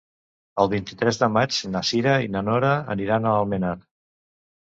El vint-i-tres de maig na Cira i na Nora aniran a Almenar.